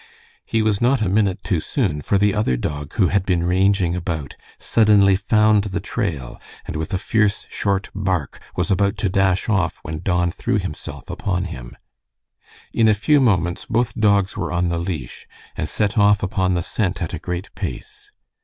He was not a minute too soon, for the other dog, who had been ranging about, suddenly found the trail, and with a fierce, short bark, was about to dash off when Don threw himself upon him. In a few moments both dogs were on the leash, and set off upon the scent at a great pace.